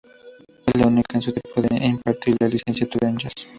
Es la única en su tipo en impartir la Licenciatura en Jazz.